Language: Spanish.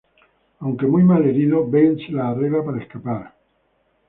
Aunque muy mal herido, Ben se las arregla para escapar.